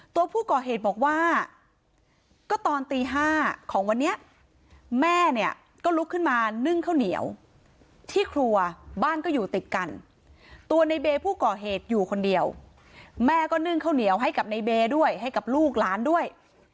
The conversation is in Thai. ตัวผู้ก่อเหตุบอกว่าก็ตอนตี๕ของวันนี้แม่เนี่ยก็ลุกขึ้นมานึ่งข้าวเหนียวที่ครัวบ้านก็อยู่ติดกันตัวในเบย์ผู้ก่อเหตุอยู่คนเดียวแม่ก็นึ่งข้าวเหนียวให้กับในเบย์ด้วยให้กับลูกหลานด้วย